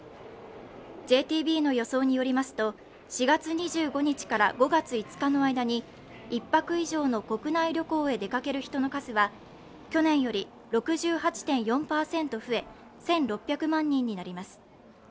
ＪＴＢの予想によりますと、４月２５日から５月５日の間に１泊以上の国内旅行に出かける人の数は去年より６８．４％増え、１６００万人になります。